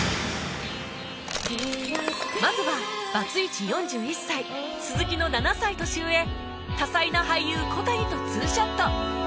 まずはバツイチ４１歳鈴木の７歳年上多才な俳優小谷と２ショット